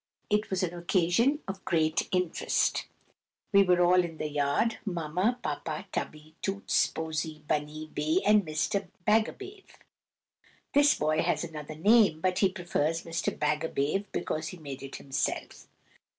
It was an occasion of great interest. We were all in the yard,—Mamma, Papa, Tubby, Toots, Posy, Bunny, Bay and Mr. Bagabave. (This boy has another name, but he prefers Mr. Bagabave because he made it himself.)